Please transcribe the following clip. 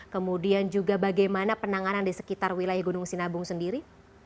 kemudian juga bagaimana penanganan di sekitar wilayah gunung sinabung sendiri